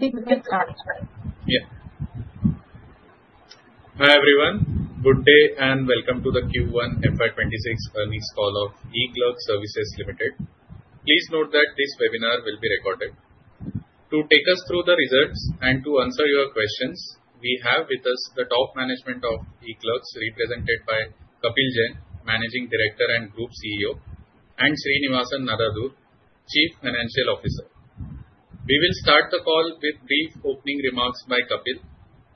I think we can start. Yeah. Hi everyone, good day and welcome to the Q1 FY26 earnings call of eClerx Services Limited. Please note that this webinar will be recorded. To take us through the results and to answer your questions, we have with us the top management of eClerx, represented by Kapil Jain, Managing Director and Group CEO, and Srinivasan Nadadhur, Chief Financial Officer. We will start the call with brief opening remarks by Kapil,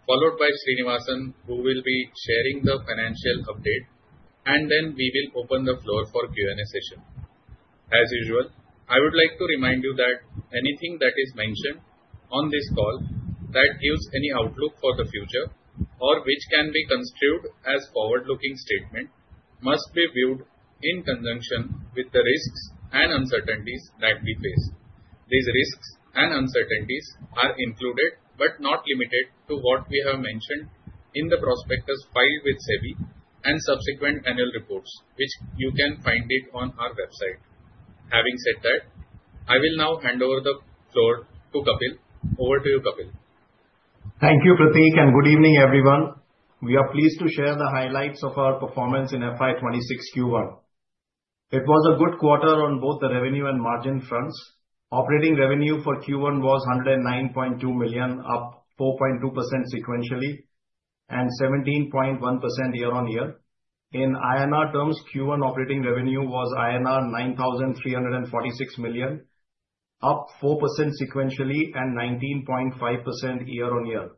followed by Srinivasan, who will be sharing the financial update, and then we will open the floor for Q&A session as usual. I would like to remind you that anything that is mentioned on this call that gives any outlook for the future or which can be construed as a forward-looking statement must be viewed in conjunction with the risks and uncertainties that we face. These risks and uncertainties are included but not limited to what we have mentioned in the prospectus filed with SEBI and subsequent annual reports, which you can find on our website. Having said that, I will now hand over the floor to Kapil. Over to you, Kapil. Thank you, Prateek, and good evening, everyone. We are pleased to share the highlights of our performance in FY26 Q1. It was a good quarter on both the revenue and margin fronts. Operating revenue for Q1 was $109.2 million, up 4.2% sequentially and 17.1% year on year. In INR terms, Q1 operating revenue was INR 9,346 million, up 4% sequentially and 19.5% year on year.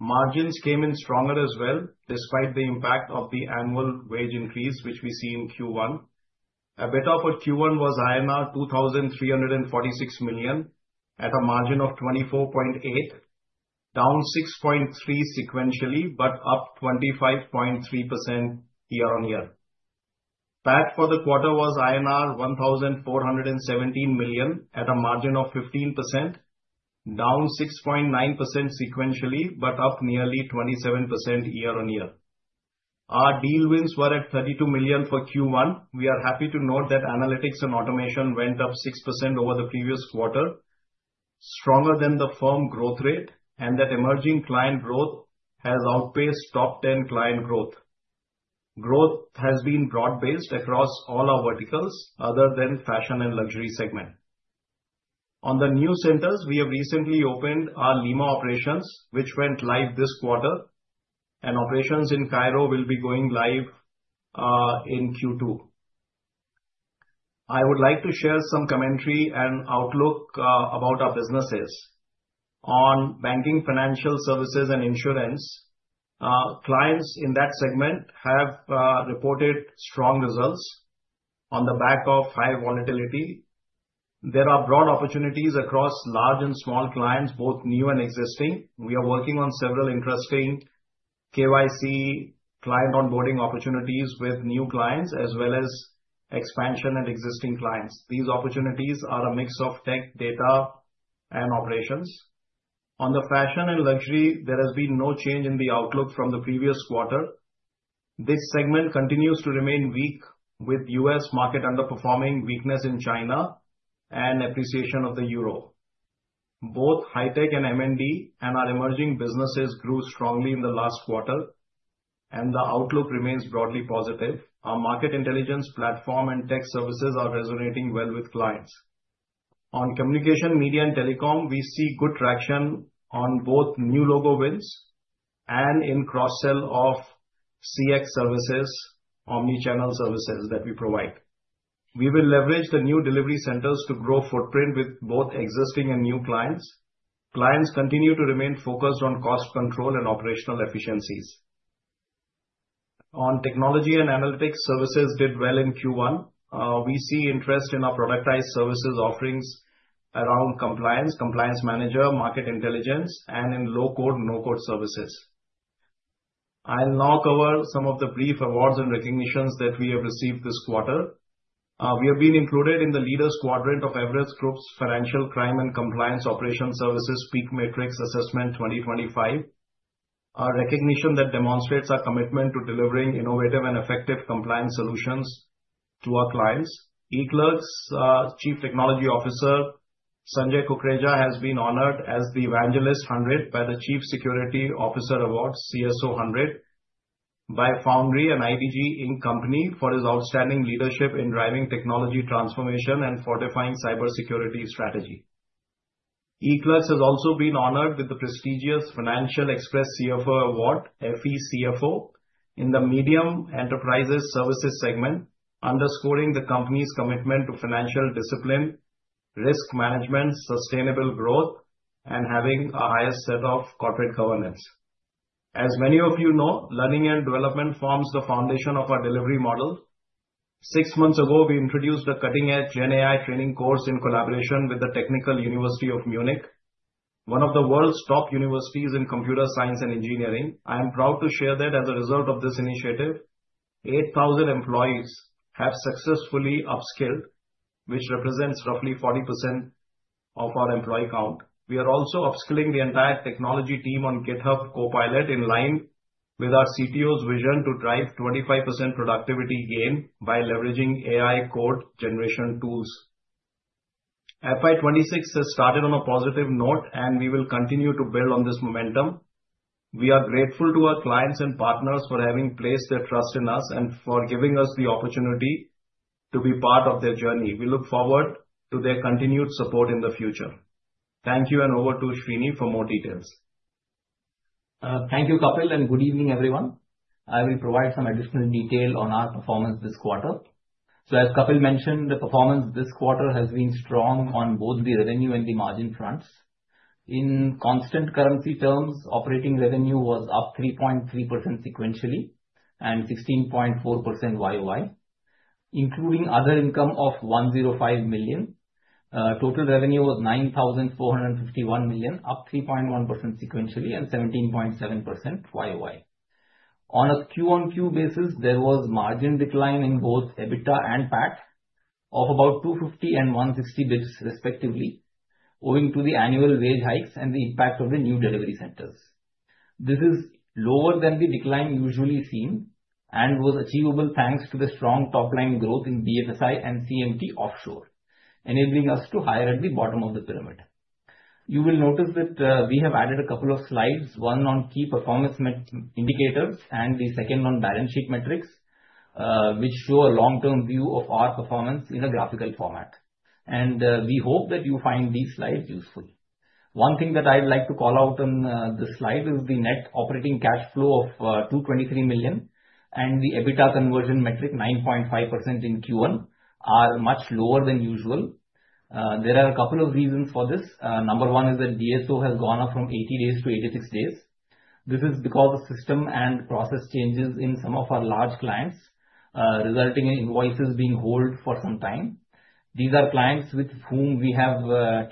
Margins came in stronger as well, despite the impact of the annual wage increase which we see in Q1. EBITDA for Q1 was 2,346 million at a margin of 24.8%, down 6.3% sequentially but up 25.3% year on year. PAT for the quarter was INR 1,417 million at a margin of 15%, down 6.9% sequentially but up nearly 27% year on year. Our deal wins were at $32 million for Q1. We are happy to note that Analytics and Automation went up 6% over the previous quarter, stronger than the firm growth rate, and that emerging client growth has outpaced top 10 client growth. Growth has been broad-based across all our verticals other than the Fashion and Luxury segment. On the new centers, we have recently opened our Lima operations, which went live this quarter, and operations in Cairo will be going live in Q2. I would like to share some commentary and outlook about our businesses. On Banking, Financial Services, and Insurance, clients in that segment have reported strong results on the back of high volatility. There are broad opportunities across large and small clients, both new and existing. We are working on several interesting KYC client onboarding opportunities with new clients as well as expansion in existing clients. These opportunities are a mix of tech, data, and operations. On Fashion and Luxury, there has been no change in the outlook from the previous quarter. This segment continues to remain weak with the U.S. market underperforming, weakness in China, and appreciation of the Euro. Both High Tech and CMT and our emerging businesses grew strongly in the last quarter, and the outlook remains broadly positive. Our market intelligence, platform, and tech services are resonating well with clients. On Communications, Media, and Telecom, we see good traction on both new logo wins and in cross-sell of CX services and omnichannel services that we provide. We will leverage the new delivery centers to grow footprint with both existing and new clients. Clients continue to remain focused on cost control and operational efficiencies. On technology and analytics services did well in Q1. We see interest in our productized services offerings around compliance, Compliance Manager, market intelligence, and in low-code/no-code services. I'll now cover some of the brief awards and recognitions that we have received this quarter. We have been included in the Leaders Quadrant of Everest Group's Financial Crime and Compliance Operations Services PEAK Matrix Assessment 2025, a recognition that demonstrates our commitment to delivering innovative and effective compliance solutions to our clients. eClerx's Chief Technology Officer Sanjay Kukreja has been honored as the Evangelist 100 by the Chief Security Officer Award CSO 100 by Foundry and IBG Inc. Co. for his outstanding leadership in driving technology transformation and fortifying cybersecurity strategy. eClerx has also been honored with the prestigious Financial Express CFO Award FE CFO in the Medium Enterprises Services segment, underscoring the company's commitment to financial discipline, risk management, sustainable growth, and having a highest set of corporate governance. As many of you know, learning and development forms the foundation of our delivery model. Six months ago, we introduced a cutting-edge GenAI training course in collaboration with the Technical University of Munich, one of the world's top universities in computer science and engineering. I am proud to share that as a result of this initiative, 8,000 employees have successfully upskilled, which represents roughly 40% of our employee count. We are also upskilling the entire technology team on GitHub Copilot in line with our CTO's vision to drive 25% productivity gain by leveraging AI code generation tools. FY26 has started on a positive note and we will continue to build on this momentum. We are grateful to our clients and partners for having placed their trust in us and for giving us the opportunity to be part of their journey. We look forward to their continued support in the future. Thank you and over to Srini for more details. Thank you Kapil and good evening everyone. I will provide some additional detail on our performance this quarter. As Kapil mentioned, the performance this quarter has been strong on both the revenue and the margin fronts. In constant currency terms, operating revenue was up 3.3% sequentially and 16.4% year-over-year, including other income of 105 million. Total revenue was 9,451 million, up 3.1% sequentially and 17.7% year-over-year. On a quarter-on-quarter basis, there was margin decline in both EBITDA and PAT of about 250 and 160 bps respectively owing to the annual wage hikes and the impact of the new delivery centers. This is lower than the decline usually seen and was achievable thanks to the strong top line growth in BFSI and CMT Offshore, enabling us to hire at the bottom of the pyramid. You will notice that we have added a couple of slides, one on key performance indicators and the second on balance sheet metrics, which show a long-term view of our performance in a graphical format and we hope that you find these slides useful. One thing that I'd like to call out on this slide is the net operating cash flow of 223 million and the EBITDA conversion metric 9.5% in Q1 are much lower than usual. There are a couple of reasons for this. Number one is that DSO has gone up from 80 days to 86 days. This is because of system and process changes in some of our large clients resulting in invoices being held for some time. These are clients with whom we have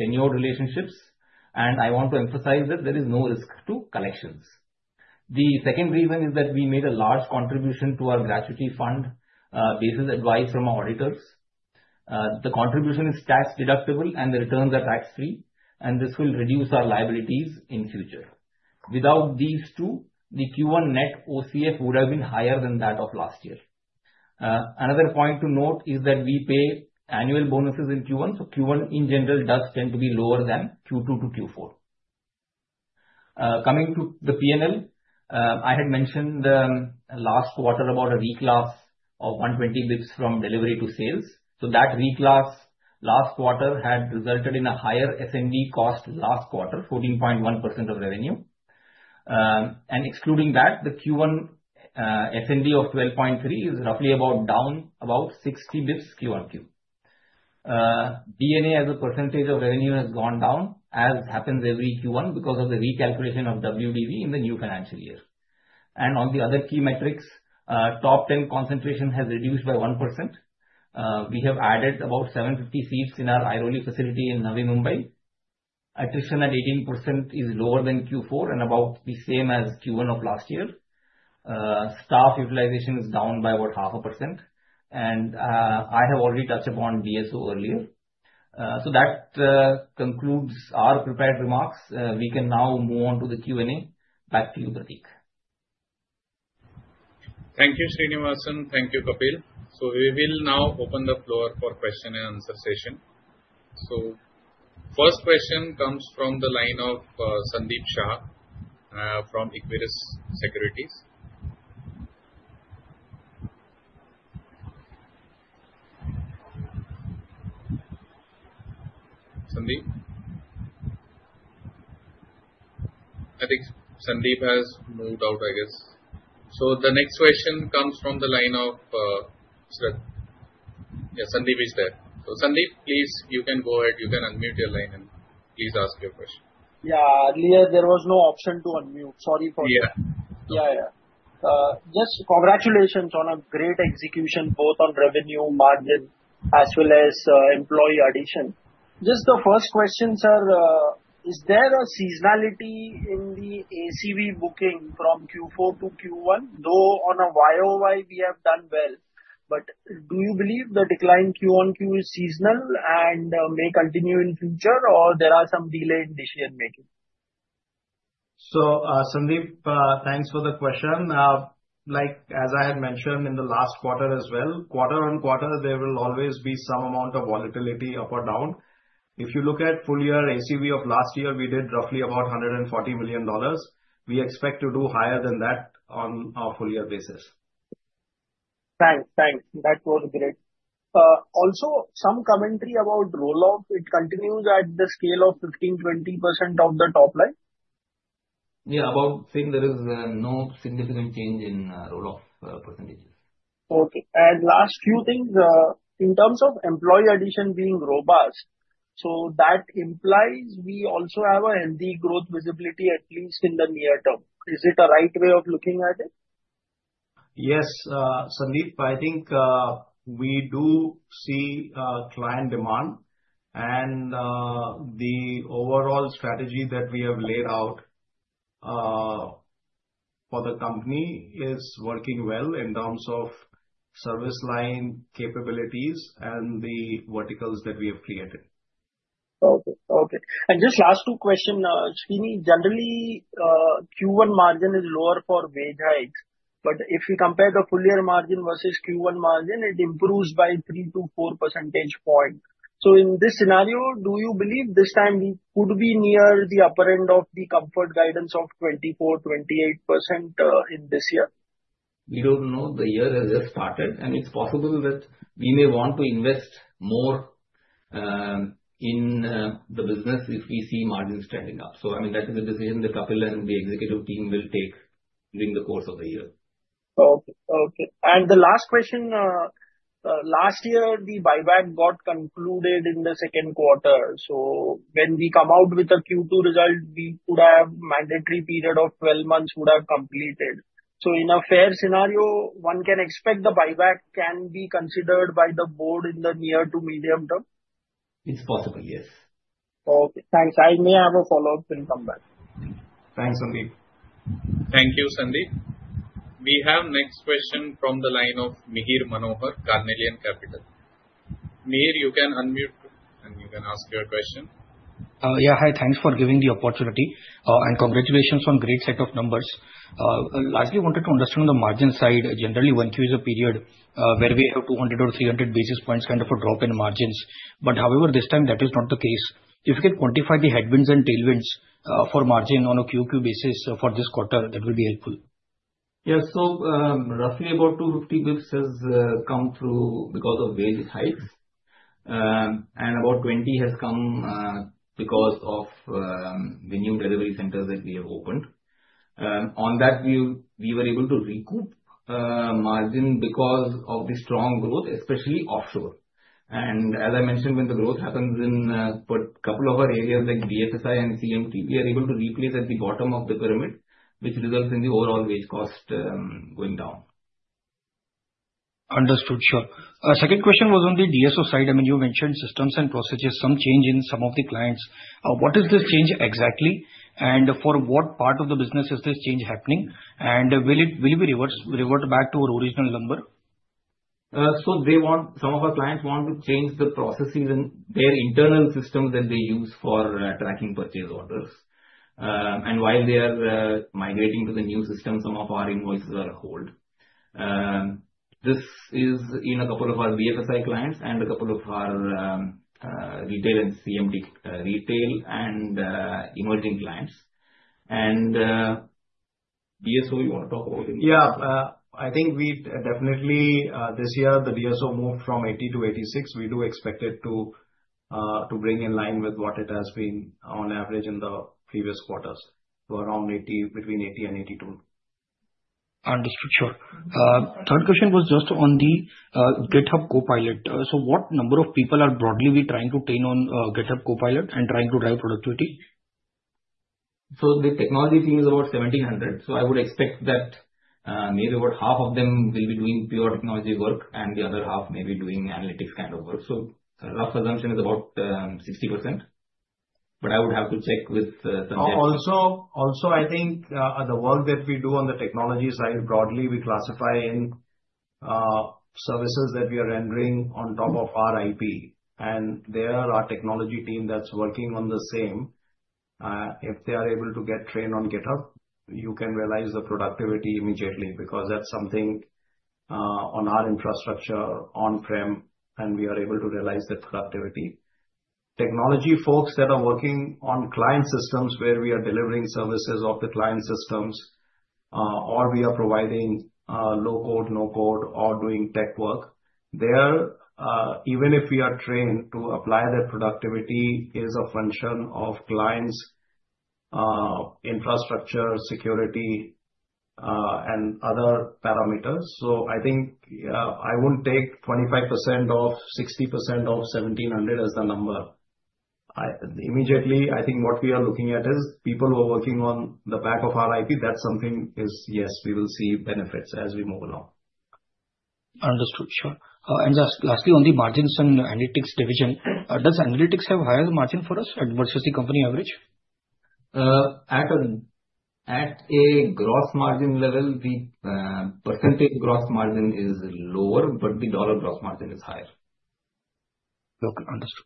tenured relationships and I want to emphasize that there is no risk to collections. The second reason is that we made a large contribution to our gratuity fund basis advice from our auditors. The contribution is tax deductible and the returns are tax free and this will reduce our liabilities in future. Without these two, the Q1 net OCF would have been higher than that of last year. Another point to note is that we pay annual bonuses in Q1, so Q1 in general does tend to be lower than Q2 to Q4. Coming to the P&L, I had mentioned last quarter about a reclass of 120 bps from delivery to sales. That reclass last quarter had resulted in a higher S&D cost. Last quarter, 14.1% of revenue. Excluding that, the Q1 S&D of 12.3% is roughly down about 60 bps. Q1 Q DNA as a percentage of revenue has gone down as happens every Q1 because of the recalculation of WDV in the new financial year. On the other key metrics, top 10 concentration has reduced by 1%. We have added about 750 seats in our Aeroly facility in Navi Mumbai. Attrition at 18% is lower than Q4 and about the same as Q1 of last year. Staff utilization is down by about half a percent. I have already touched upon DSO earlier. That concludes our prepared remarks. We can now move on to the Q and A. Back to you, Deek. Thank you, Srinivasan. Thank you, Kapil. We will now open the floor for the question and answer session. The first question comes from the line of Sandeep Shah from ICICI Securities. Sandeep, I think Sandeep has moved out. I guess the next question comes from the line of Sandeep is there. Sandeep, please, you can go ahead. You can unmute your line and please ask your question. Yeah, earlier there was no option to unmute. Sorry for that. Just congratulations on a great execution both on revenue margin as well as employee addition. Just the first question, sir. Is there a seasonality in the ACV booking from Q4 to Q1? Though on a year-over-year we have done well, do you believe the decline Q1 Q is seasonal and may continue in future, or are there some delays in decision making? Sandeep, thanks for the question. Like I had mentioned in the last quarter as well, quarter on quarter there will always be some amount of volatility up or down. If you look at full year ACV of last year, we did roughly about $140 million. We expect to do higher than that on a full year basis. Thanks. Thanks. That was great. Also, some commentary about roll off. It continues at the scale of 15-20% of the top line. Yeah. About saying there is no significant change in roll off %. Okay. Last few things in terms of employee addition being robust, that implies we also have a healthy growth visibility at least in the near term. Is it a right way of looking at it? Yes, Sandeep, I think we do see client demand, and the overall strategy that we have laid out for the company is working well in terms of service line capabilities and the verticals that we have created. Okay. Okay. Just last two questions. Generally, Q1 margin is lower for wage hikes. If we compare the full year margin versus Q1 margin, it improves by 3 to 4 percentage points. In this scenario, do you believe this time we could be near the upper end of the comfort guidance of 24% to 28% in this year? We don't know. The year has just started, and it's possible that we may want to invest more in the business if we see margins trending up. That is a decision that Kapil and the executive team will make. Take during the course of the year. Okay, and the last question. Last year the buyback got concluded in the second quarter. When we come out with a Q2 result, we could have mandatory period of 12 months would have completed. In a fair scenario one can expect the buyback can be considered by the board in the near to medium term. It's possible, yes. Okay, thanks. I may have a follow-up and come back. Thanks Sandeep. Thank you, Sandeep. We have next question from the line of Mihir Manohar, Carnelian Capital. Meer, you can unmute and you can ask your question. Yeah. Hi. Thanks for giving the opportunity and congratulations on great set of numbers. Largely wanted to understand on the margin side, generally 1Q is a period where we have 200 or 300 basis points, kind of a drop in margins. However, this time that is not the case. If you can quantify the headwinds and. Tailwinds for margin on a QQ basis. For this quarter, that will be helpful. Yes. Roughly about 250 bps has come through because of various hikes, and about 20 has come because of the new delivery centers that we have opened, on that we were able to recoup margin because of the strong growth, especially offshore. As I mentioned, when the growth happens in a couple of our areas like BFSI and CMT, we are able to replace at the bottom of the pyramid, which results in the overall wage cost going down. Understood. Sure. Second question was on the DSO side, I mean you mentioned systems and processes, some change in some of the clients. What is this change exactly and for what part of the business is this change happening, and will it be reverted back to our original number? Some of our clients want to change the processes and their internal system that they use for tracking purchase orders. While they are migrating to the new system, some of our invoices are holding. This is in a couple of our BFSI clients and a couple of our retail and CMT retail and emerging clients. Do you want to talk about DSO? Yeah, I think we definitely this year the DSO moved from 80 to 86. We do expect it to bring in line with what it has been on average in the previous quarters to around 80, between 80 and 82. Understood? Sure. Third question was just on the GitHub Copilot. Copilot, so what number of people are broadly we trying to train on GitHub Copilot and trying to drive productivity? The technology team is about 1,700. I would expect that maybe about half of them will be doing pure technology work and the other half may be doing analytics kind of work. A rough assumption is about 60%, but. I would have to check with also I think the work that we do on the technology side, broadly we classify in services that we are rendering on top of our IP, and there our technology team that's working on the same. If they are able to get trained on GitHub Copilot, you can realize the productivity immediately because that's something on our infrastructure, on premises, and we are able to realize that productivity. Technology folks that are working on client systems, where we are delivering services on the client systems or we are providing low-code/no-code or doing tech work there, even if we are trained to apply that, productivity is a function of clients' infrastructure, security, and other parameters. I wouldn't take 25% off 60% of 1,700 as the number immediately. What we are looking at is people who are working on the back of our IP. That is something, yes, we will see benefits as we move along. Understood? Sure. on the margins and Analytics and Automation division, does analytics have higher margin for. Us versus the company average. At a gross margin level, the % gross margin is lower, but the dollar gross margin is higher.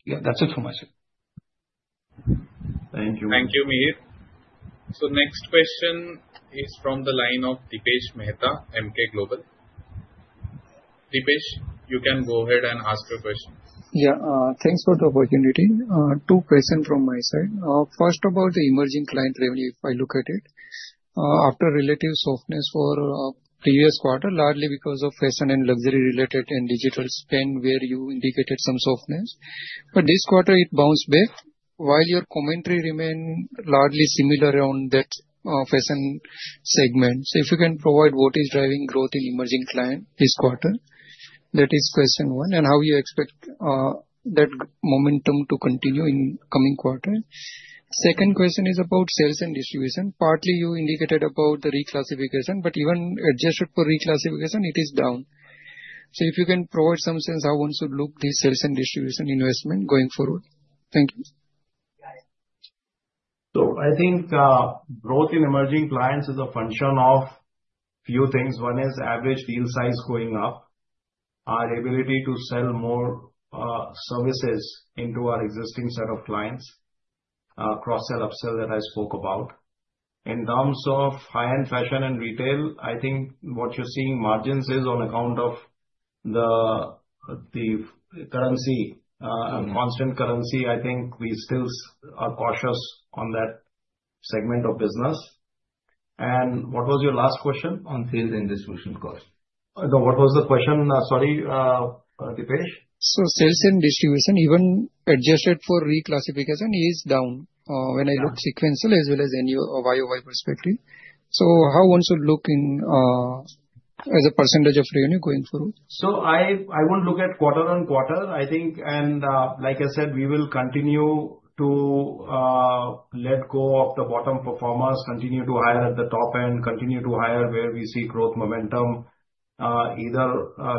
Yeah, that's it for myself. Thank you. Thank you, Mir. Next question is from the line of Dipesh Mehta, MK Global. Dipesh, you can go ahead and ask your question. Yeah, thanks for the opportunity. Two questions from my side. First, about the emerging client revenue. If I look at it after relative softness for the previous quarter, largely because of Fashion and Luxury related and digital spend where you indicated some softness, but this quarter it bounced back while your commentary remains largely similar on that fashion segment. If you can provide what is driving growth in emerging client this quarter, that is question one, and how you expect that momentum to continue in the coming quarter. Second question is about sales and distribution. Partly, you indicated about the reclassification, but even adjusted for reclassification, it is down. If you can provide some sense how one should look at these sales and distribution investments going forward. Thank you. I think growth in emerging clients is a function of a few things. One is average deal size going up, our ability to sell more services into our existing set of clients, cross-sell, upsell that I spoke about in terms of high-end fashion and retail. I think what you're seeing in margins is on account of the currency, constant currency. I think we still are cautious on that segment of business. What was your last question on? Sales and distribution cost? What was the question? Sorry. Sales and distribution, even adjusted for reclassification, is down when I look sequential as well as any year-over-year perspective. How should one look at it as a percentage of revenue going forward? I won't look at quarter on. Quarter I think, like I said, we will continue to let go of the bottom performers, continue to hire at the top end, continue to hire where we see growth momentum, either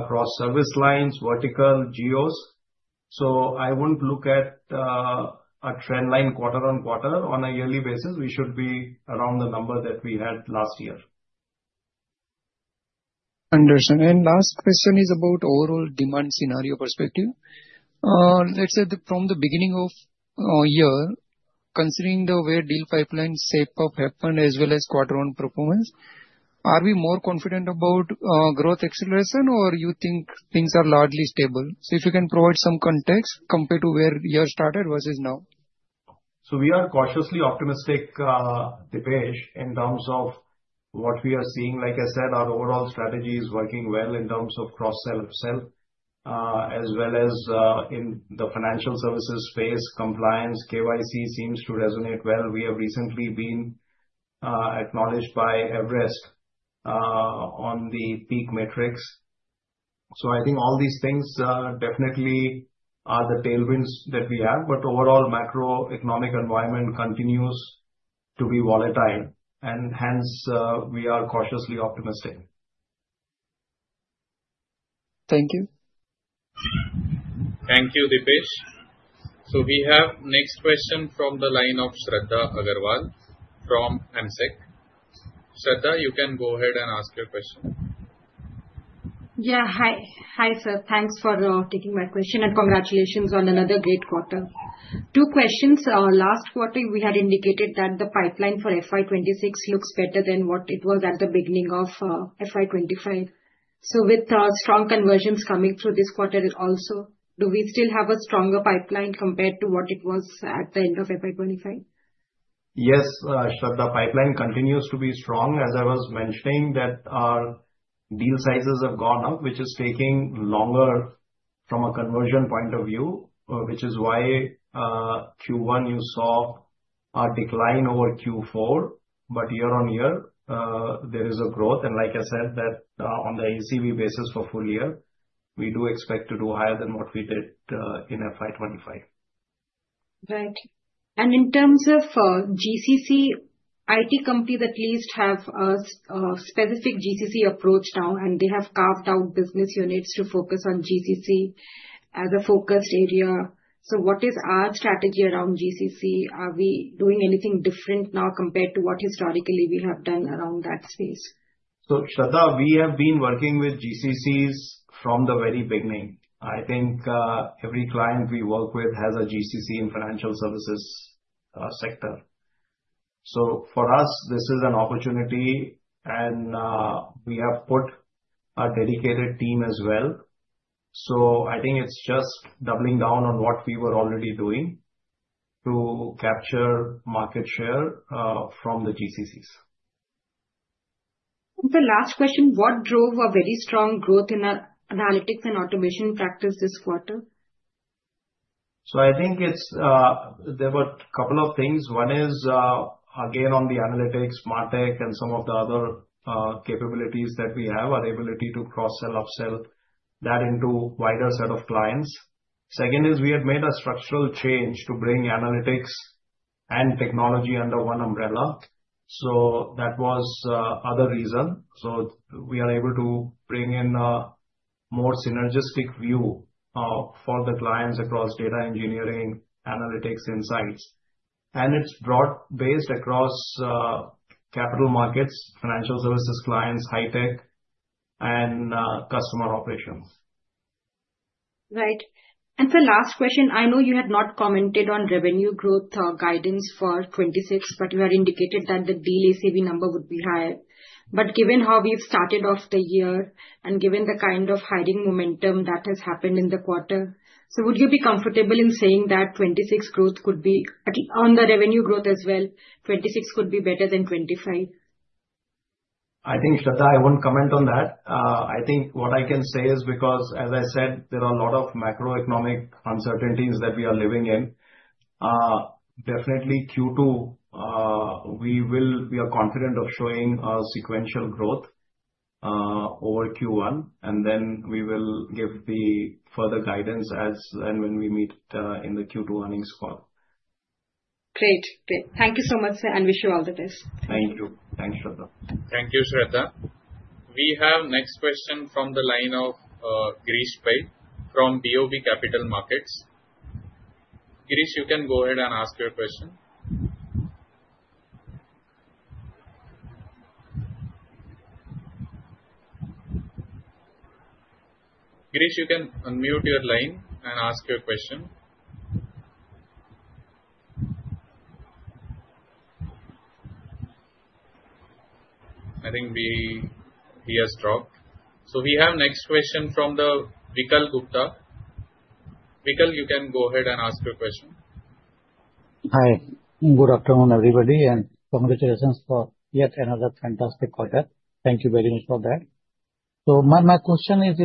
across service lines, vertical GEOs. I wouldn't look at a trend line quarter on quarter. On a yearly basis, we should be around the number that we had last year. Understand, and last question is about overall demand scenario perspective. Let's say from the beginning of the year, considering the way deal pipeline shape up happened as well as quarter one performance, are we more confident about growth acceleration, or you think things are largely stable? If you can provide some context compared to where you started versus now. We are cautiously optimistic in terms of what we are seeing. Like I said, our overall strategy is working well in terms of cross-sell as well as in the financial services space compliance. KYC seems to resonate well. We have recently been acknowledged by Everest on the PEAK Matrix. I think all these things definitely are the tailwinds that we have. Overall macroeconomic environment continues to be volatile and hence we are cautiously optimistic. Thank you. Thank you, Dipesh. We have the next question from the line of Shraddha Agarwal from AMSEC. Shraddha, you can go ahead and ask your question. Yeah. Hi. Thanks for taking my question and congratulations on another great quarter. Two questions. Last quarter we had indicated that the pipeline for FY26 is better than what it was at the beginning of FY25. With strong conversions coming through this quarter also, do we still have a stronger pipeline compared to what it was at the end of FY25? Yes, the pipeline continues to be strong. As I was mentioning, our deal sizes have gone up, which is taking longer from a conversion point of view, which is why Q1 you saw decline over Q4. Year on year there is a growth, and like I said, on the ECB basis for full year we do expect to do higher than what we did in FY25. Right. In terms of GCC, IT companies at least have a specific GCC approach now, and they have carved out business units to focus on GCC as a focused area. What is our strategy around GCC? Are we doing anything different now compared to what historically we have done around that space? Shraddha, we have been working with GCCs from the very beginning. I think every client we work with has a GCC in the financial services sector. For us this is an opportunity, and we have put a dedicated team as well. I think it's just doubling down on what we were already doing to capture market share from the GCCs. The last question, what drove a very strong growth in our Analytics and Automation practice this quarter? I think there were a couple of things. One is again on the analytics, martech, and some of the other capabilities that we have, our ability to cross-sell, upsell that into a wider set of clients. Second is we had made a structural change to bring Analytics and Automation and technology under one umbrella. That was another reason. We are able to bring in a more synergistic view for the clients across data engineering, analytics, insights, and it's broad-based across capital markets, financial services clients, high tech, and customer operations. Right. For last question, I know you had not commented on revenue growth guidance for 2026, but you had indicated that the DLCB number would be higher. Given how we've started off the year and given the kind of hiring momentum that has happened in the quarter, would you be comfortable in saying that 2026 growth could be on the revenue growth as well? 2026 could be better than 2025. I wouldn't comment on that. I think what I can say is because as I said there are a lot of macroeconomic uncertainties that we are living in. Definitely Q2 we will be confident of showing a sequential growth over Q1, and then we will give the further guidance as and when we meet in the Q2 earnings call. Great. Thank you so much, sir, and wish you all the best. Thank you. Thanks, Shraddha. Thank you, Shraddha. We have next question from the line of Girish Bhai from BOB Capital Markets. Girish, you can go ahead and ask your question. Girish, you can unmute your line and ask your question. I think he has dropped. We have next question from Vikal Gupta. You can go ahead and ask your question. Hi, good afternoon everybody and congratulations for yet another fantastic quarter. Thank you very much for that. My question is,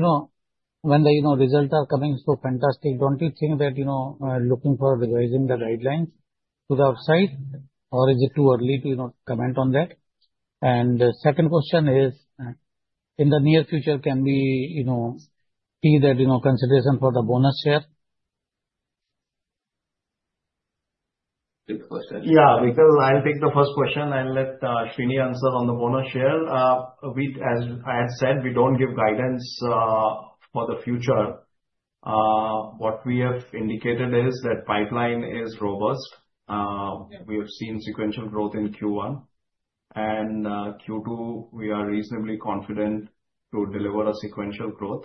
when the results are coming so fantastic, don't you think that looking for revising the guidelines to the upside or is it too early to comment on that? The second question is in the. Near future, can we see. That, you know, consideration for the bonus share? Yeah, I'll take the first question. I'll let Srini answer. On the bonus share, as I had said, we don't give guidance for the future. What we have indicated is that pipeline is robust. We have seen sequential growth in Q1 and Q2. We are reasonably confident to deliver a sequential growth.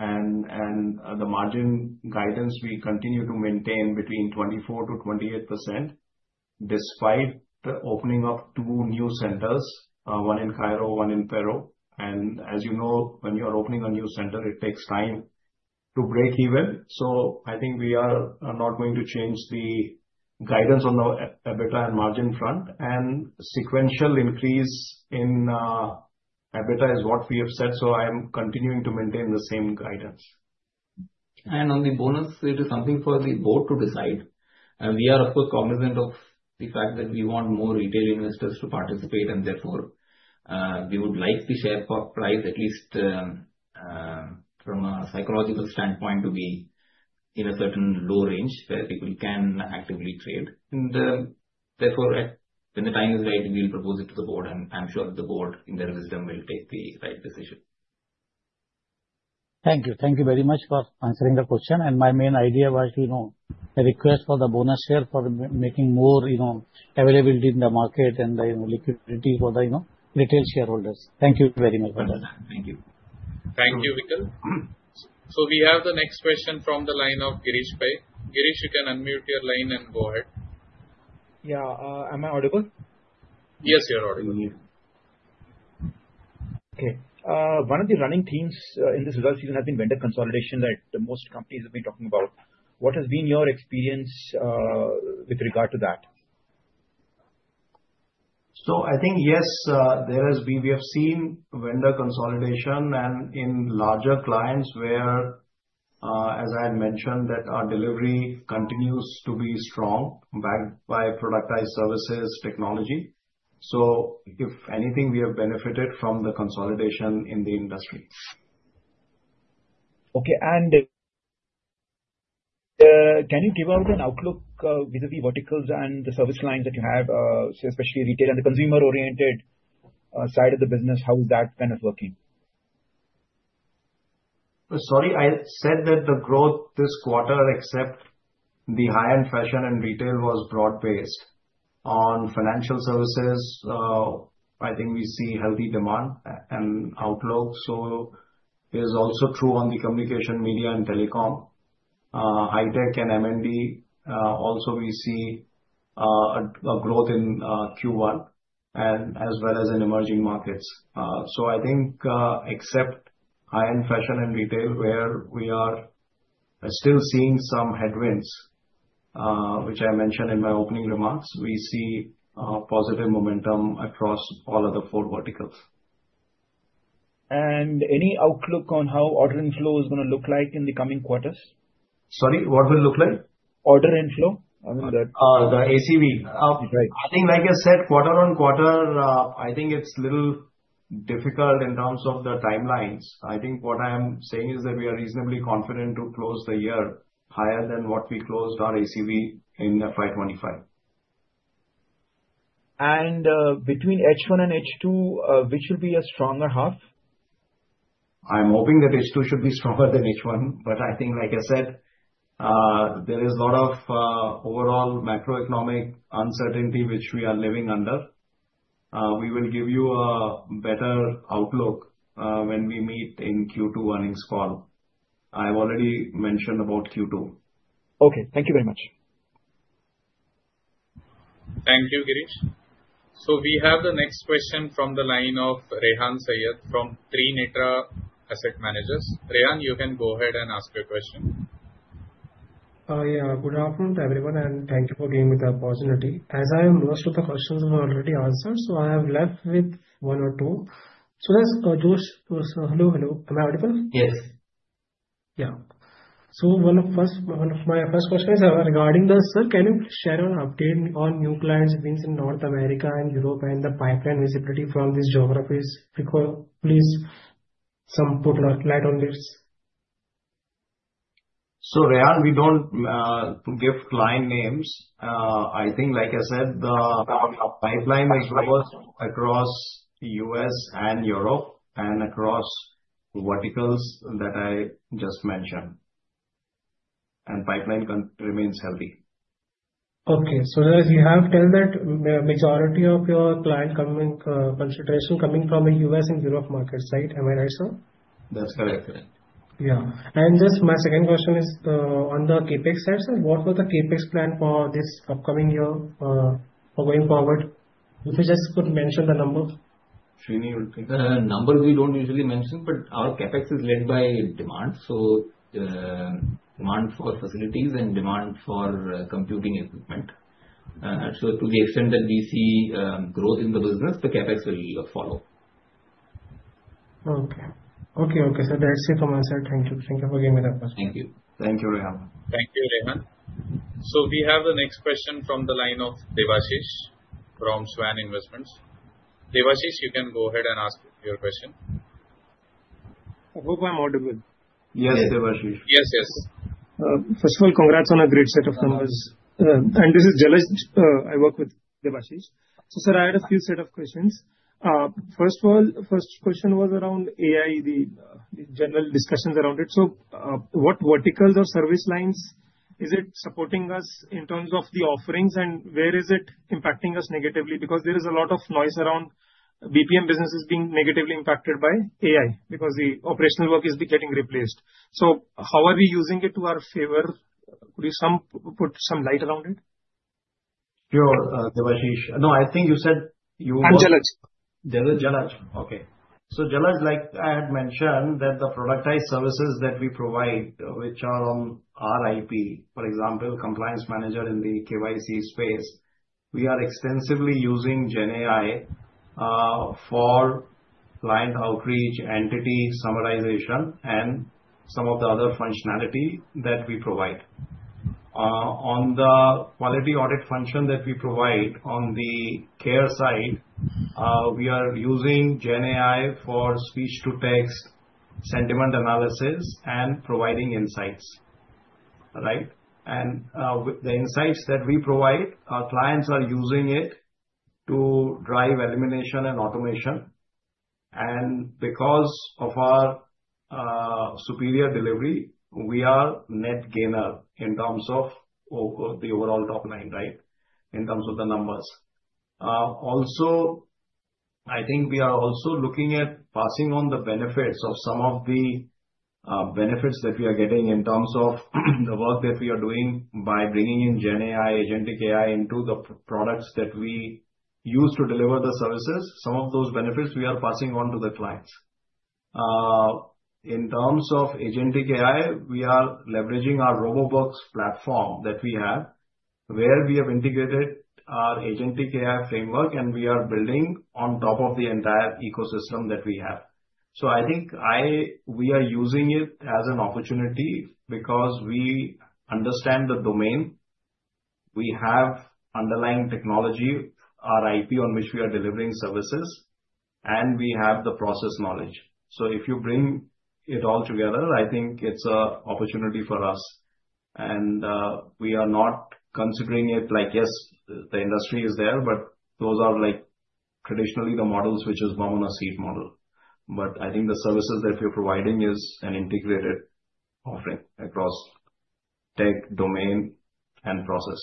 The margin guidance, we continue to maintain between 24% to 28% despite opening up two new centers, one in Cairo, one in Lima. As you know, when you are opening a new center, it takes time to break even. I think we are not going to change the guidance on the EBITDA and margin front, and sequential increase in EBITDA is what we have said. I am continuing to maintain the same guidance. On the bonus, it is something for the board to decide. We are of course cognizant of the fact that we want more retail investors to participate, and therefore we would like the share price, at least from a psychological standpoint. To be in a certain low range. Where people can actively trade. Therefore, when the time is right, we'll propose it to the board, and I'm sure the board in their wisdom. Will take the right decision. Thank you. Thank you very much for answering the question. My main idea was a request for the bonus share for making more availability in the. Market and the liquidity for the, you know, retail shareholders. Thank you very much. Thank you. Thank you. We have the next question from the line of Girish Bhai. Girish, you can unmute your line and go ahead. Yeah. Am I audible? Yes, you're audible. Okay. One of the running themes in this result season has been vendor consolidation that most companies have been talking about. What has been your experience with regard to that? Yes, there has been, we have seen vendor consolidation in larger clients where, as I mentioned, our delivery continues to be strong backed by productized services technology. If anything, we have benefited from the consolidation in the industry. Okay, can you give out an outlook? Vis a vis verticals and the service lines that you have, especially retail and the consumer oriented side of the business, how is that kind of working? I said that the growth this quarter except the high end fashion and retail was broad. Based on financial services, I think we see healthy demand and outlook. This is also true on the communications, media and technology, high tech, and M and D. We also see growth in Q1 as well as in emerging markets. I think except high end fashion and retail, where we are still seeing some headwinds which I mentioned in my opening remarks, we see positive momentum across all of the four verticals. Any outlook on how order inflow is going to look like in the coming quarters? What will order inflow look like? The ACV, I think like I said, quarter on quarter, I think it's a little difficult in terms of the timelines. What I am saying is that we are reasonably confident to close the year higher than what we closed our ACV in FY2025. Between H1. H2 will be a stronger half. I'm hoping that H2 should be stronger. Than H1, I think, like I. There is a lot of overall macroeconomic uncertainty which we are living under. We will give you a better outlook when we meet in Q2. Earnings call, I have already mentioned about Q2. Okay, thank you very much. Thank you, Girish. We have the next question from the line of Rehan Syed from Three Netra Asset Managers. Rehan, you can go ahead and ask your question. Good afternoon to everyone and thank you for giving me the opportunity. As I have, most of the questions were already answered, so I am left with one or two. Yes, hello. Hello. Am I audible? Yes. Yeah. One of us. My first question is regarding the sir, can you share an update on new clients things in North America. Europe and the pipeline visibility from. These geographies, please put some light on this. We don't give client names. I think, like I said, the pipeline is robust across the US and Europe and across verticals that I just mentioned, and the pipeline remains healthy. Okay, so you have said that majority of your client consideration is coming from the US and Bureau of Market side. Am I right, sir? That's correct, yeah. My second question is on the CapEx side. What were the CapEx plans for this upcoming year, for going forward? If you could just mention the number. The number we don't usually mention, but our CapEx is led by demand, so demand for facilities and demand for computing equipment. To the extent that we see growth in the business, the CapEx will follow. Okay. That's it for me, sir. Thank you. Thank you for giving me that question. Thank you. Thank you, Rehan. Thank you, Rehan. We have the next question from the line of Devashish from Swan Investments. Devashish, you can go ahead and ask your question. I hope I'm audible. Yes, yes, yes. First of all, congrats on a great set of numbers. This is Jalash, I work with Debashish. I had a few set of questions. First question was around AI, the general discussions around it. What verticals or service lines is it supporting us in terms of the offerings and where is it impacting us negatively? There is a lot of noise around BPM businesses being negatively impacted by AI because the operational work is getting replaced. How are we using it to our favor? Could you put some light around it? Sure. No, I think you said you Angela. Okay. So Jalaj, like I had mentioned that the productized services that we provide, which are on our IP, for example, Compliance Manager in the KYC space, we are extensively using GenAI for client outreach, entity summarization, and some of the other functionality that we provide on the quality audit function that we provide. On the care side, we are using GenAI for speech to text, sentiment analysis, and providing insights. The insights that we provide our clients are using it to drive elimination and automation. Because of our superior delivery, we are net gainer in terms of the overall top line. In terms of the numbers also, I think we are also looking at passing on the benefits of some of the benefits that we are getting in terms of the work that we are doing by bringing in GenAI, agentic AI into the products that we use to deliver the services. Some of those benefits we are passing on to the clients. In terms of agentic AI, we are leveraging our Robo Box platform that we have where we have integrated our agent AI framework and we are building on top of the entire ecosystem that we have. I think we are using it as an opportunity because we understand the domain, we have underlying technology, our IP on which we are delivering services, and we have the process knowledge. If you bring it all together, I think it's an opportunity for us and we are not considering it like yes, the industry is there but those are like traditionally the models which is Bamuna seed model. I think the services that we are providing is an integrated offering across tech, domain, and process.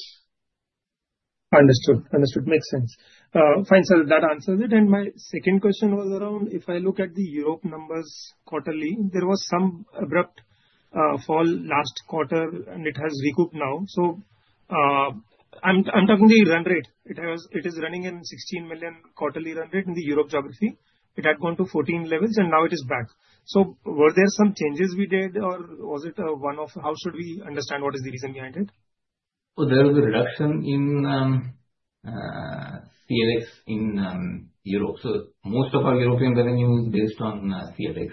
Understood, Understood. Makes sense. Fine. That answers it. My second question was around if I look at the Europe numbers, quarterly there was some abrupt fall last quarter and it has recouped now. I'm talking the run rate. It is running in $16 million quarterly run rate in the Europe geography. It had gone to $14 million levels and now it is back. Were there some changes we did or was it one off? How should we understand what is the reason behind it? There was a reduction in CLX in Europe. Most of our European revenue is based on CX.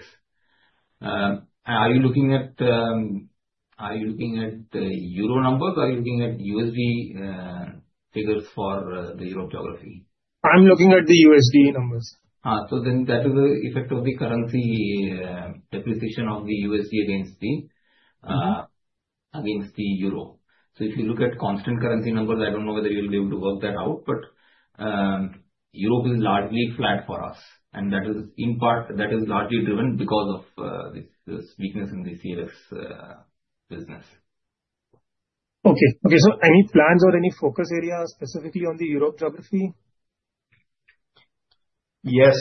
Are you looking at Euro numbers? Are you looking at USD figures for the Europe geography? I'm looking at the USD numbers. That is the effect of the currency depreciation of the USD against the euro. If you look at constant currency numbers, I don't know whether you'll be able to work that out. Europe is largely flat for us, and that is largely driven because of this weakness in the CFS business. Okay. Okay. Any plans or any focus areas specifically on the Europe geography? Yes,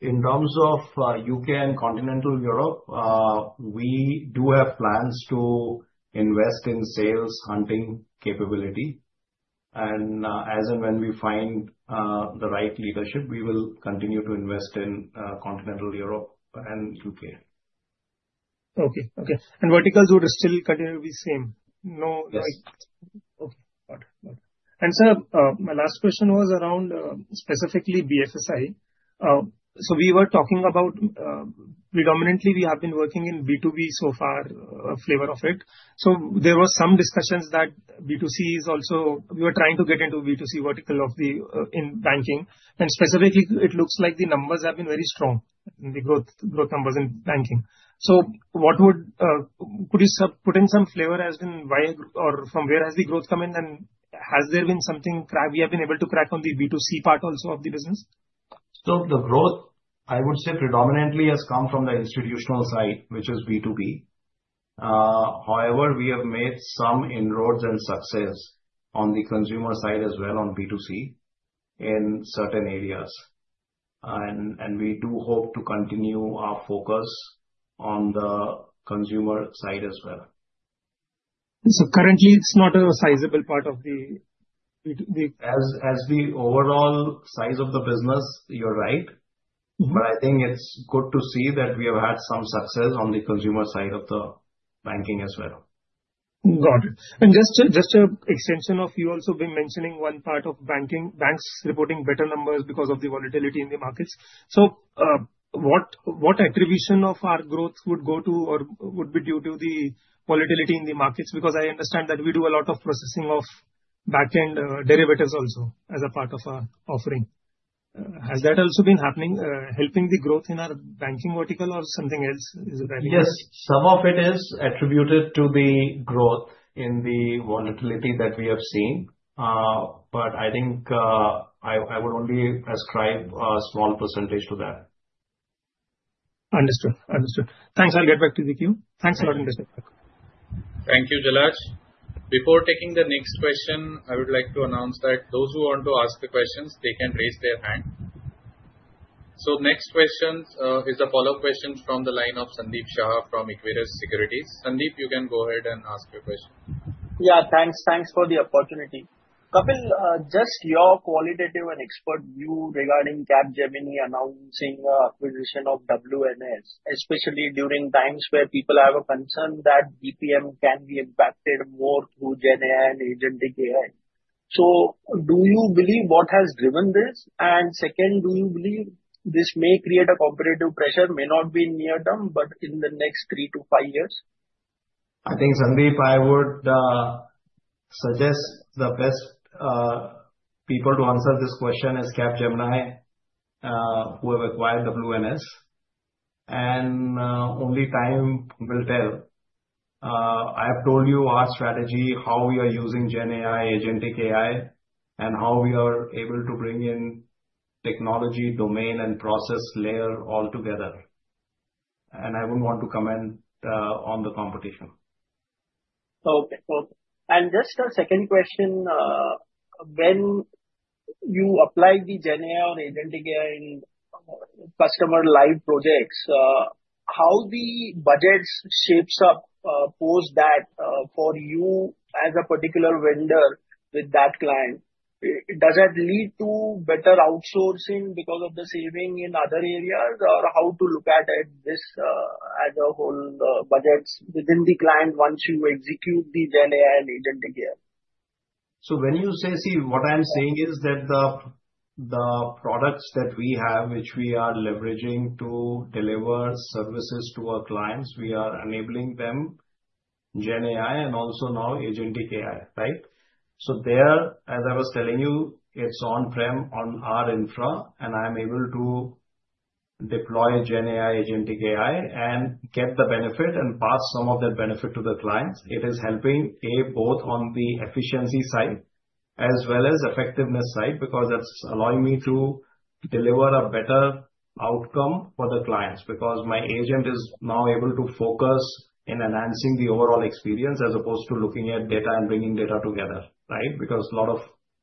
in terms of UK and continental Europe, we do have plans to invest in sales hunting capability. As and when we find the right leadership, we will continue to invest in continental Europe and Ukraine. Okay. Verticals would still continue to be same. No. Okay. My last question was around specifically BFSI. We were talking about predominantly we have been working in B2B so far, a flavor of it. There was some discussion that B2C is also, we were trying to get into B2C vertical in banking. Specifically, it looks like the numbers have been very strong, the growth numbers in banking. Could you put in some flavor as in why or from where has the growth come in, and has there been something we have been able to crack on the B2C part also of the business? The growth I would say predominantly has come from the institutional side, which is B2B. However, we have made some inroads and success on the consumer side as well on B2C in certain areas. We do hope to continue our focus on the consumer side as well. Currently it's not a sizable part. Of the overall size of the business, you're right. I think it's good to see that we have had some success on the consumer side of the banking as well. Got it. Just an extension, you also have been mentioning one part of banking, banks reporting better numbers because of the volatility in the markets. What attribution of our growth would go to or would be due to the volatility in the markets? I understand that we do a lot of processing of backend derivatives also as a part of our offering. Has that also been helping the growth in our banking vertical or something else? Is it? Yes, some of it is attributed to the growth in the volatility that we have seen, but I think I would only ascribe a small % to that. Understood. Understood. Thanks. I'll get back to the queue. Thanks a lot. Thank you. Jalash, before taking the next question, I would like to announce that those who want to ask the questions, they can raise their hand. The next question is the follow-up question from the line of Sandeep Shah from Aquarius Securities. Sandeep, you can go ahead and ask your question. Yeah, thanks. Thanks for the opportunity. Kapil, just your qualitative and expert view regarding Capgemini announcing acquisition of WNS, especially during times where people have a concern that BPM can be impacted more through GenAI and agentic AI. Do you believe what has driven this? Do you believe this may create a competitive pressure? May not be near term, but in the next three to five years, I. think, Sandeep, I would suggest the best people to answer this question is Capgemini, who have acquired WNS, and only time will tell. I have told you our strategy, how we are using GenAI, agentic AI, and how we are able to bring in technology, domain, and process layer all together, and I wouldn't want to comment on the competition. Okay, and just a second question. When you apply the GenAI or agentic AI customer live projects, how the budgets shapes up post that for you as a particular vendor with that client? Does that lead to better outsourcing because of the saving in other areas, or how to look at it, this as a whole budgets within the client once you execute the GenAI and agentic AI again? What I am saying is that the products that we have, which we are leveraging to deliver services to our clients, we are enabling them with GenAI and also now agentic AI. There, as I was telling you, it's on-prem on our infra, and I'm able to deploy GenAI, agentic AI, and get the benefit and pass some of that benefit to the clients. It is helping both on the efficiency side as well as the effectiveness side because that's allowing me to deliver a better outcome for the clients, because my agent is now able to focus on enhancing the overall experience as opposed to looking at data and bringing data together. A lot of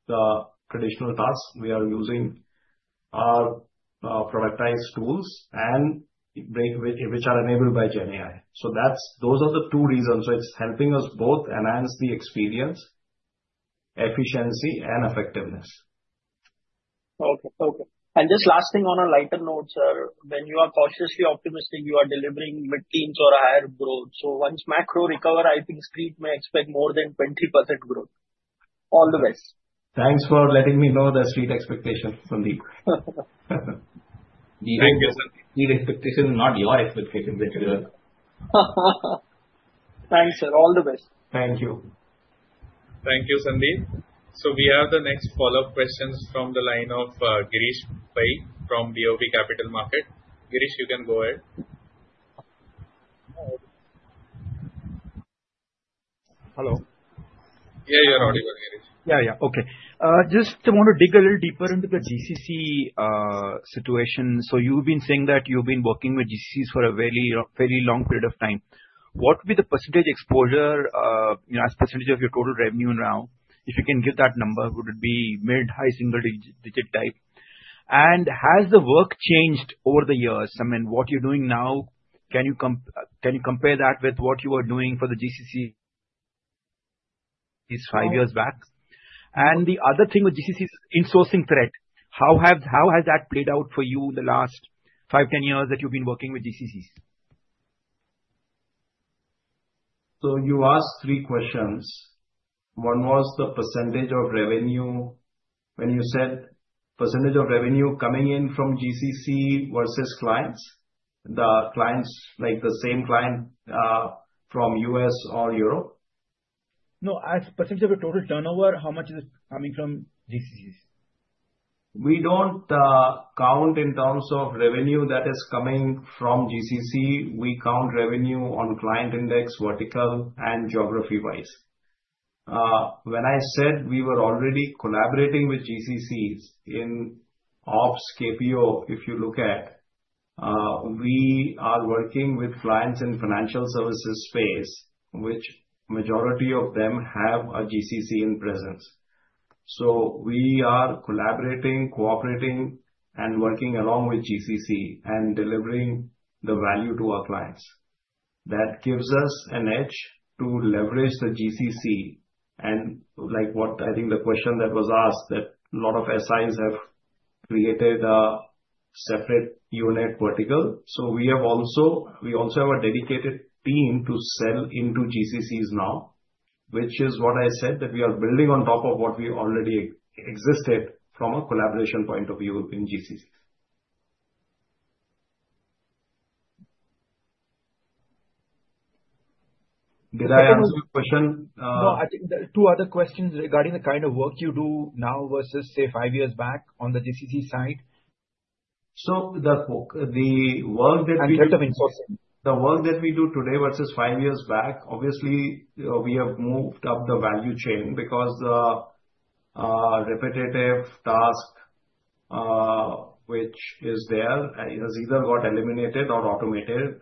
the traditional tasks, we are using our productized tools, which are enabled by GenAI. Those are the two reasons. It's helping us both enhance the experience, efficiency, and effectiveness. Okay. Okay. This last thing on a lighter. Note sir, when you are cautiously optimistic, you are delivering mid teens or higher growth. Once macro recover, I think street may expect more than 20% growth. All the best. Thanks for letting me know the street expectations, Sandeep. Thank you. Expectations, not your expectations. Thanks, sir. All the best. Thank you. Thank you, Sandeep. We have the next follow-up questions from the line of Girish Bhai from BOB Capital Markets. Girish, you can go ahead. Hello? Yeah, you're audible, Girish. Yeah. Yeah. Okay, just want to dig a little deeper. Into the GCC situation. You've been saying that you've been working with GCCs for a very, very long period of time. What would be the percentage exposure as a percentage of your total revenue now, if you can give that number? Would it be mid high single digit type? Has the work changed over the years? I mean what you're doing now, can you compare that with what you were doing for the GCC five years back? The other thing with GCC is insourcing threat. How has that played out for you? The last five, 10 years that you've been working with GCC? You asked three questions. One was the percentage of revenue when you said percentage of revenue coming in from GCC versus clients, the clients like the same client from U.S. or Europe? No, as percentage of the total turnover, how much is it coming from GCC? We don't count in terms of revenue that is coming from GCC. We count revenue on client index, vertical, and geography wise. When I said we were already collaborating with GCCs in Ops KPO, if you look at it, we are working with clients in financial services space, which majority of them have a GCC in presence. We are collaborating, cooperating, and working along with GCC and delivering the value to our clients. That gives us an edge to leverage the GCC. I think the question that was asked was that a lot of SIs have created a separate unit vertical. We also have a dedicated team to sell into GCCs now, which is what I said, that we are building on top of what we already existed from a collaboration point of view in GCC. Did I answer your question? Two other questions regarding the kind of work you do now versus, say, five years back on the GCC side. The work that we do today versus five years back, obviously we have moved up the value chain because the repetitive task which is there has either got eliminated or automated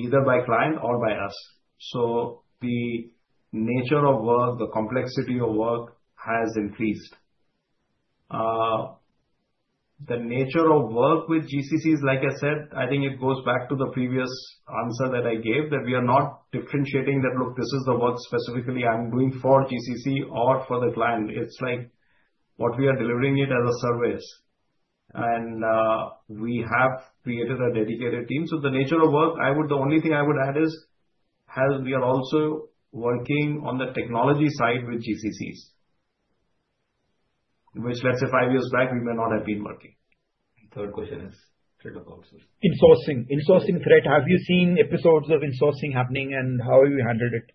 either by client or by us. The nature of work, the complexity of work has increased. The nature of work with GCCs, like I said, I think it goes back to the previous answer that I gave, that we are not differentiating that look, this is the work specifically I'm doing for GCC or for the client. It's like what we are delivering as a service, and we have created a dedicated team. The only thing I would add is we are also working on the technology side with GCCs, which, let's say, five years back we may not have been. Third question is threat of outsourcing. Insourcing, insourcing threat. Have you seen episodes of insourcing happening and how have you handled it?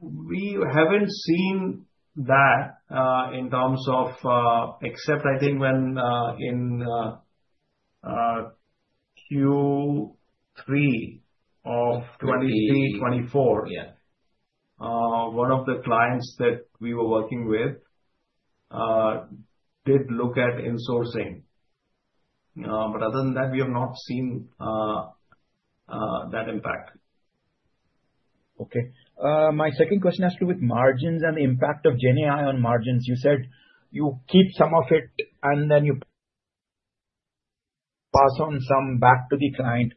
We haven't seen that in terms of, except I think when in Q3 of 2023-24 one of the clients that we were working with did look at insourcing, but other than that we have. Not seen. That impact. Okay, my second question has to do with margins and the impact of GenAI on margins. You said you keep some of it. You. Pass on some back to the client.